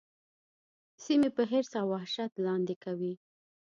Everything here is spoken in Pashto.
سیمې په حرص او وحشت لاندي کوي.